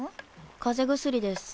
風邪薬です。